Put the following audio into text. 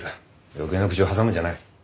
余計な口を挟むんじゃない。